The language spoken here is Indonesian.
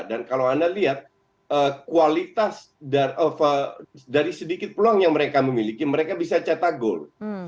dan kalau anda lihat dari sedikit peluang yang mereka memiliki mereka bisa catat gol